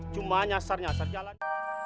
cuma nyasar nyasar jalan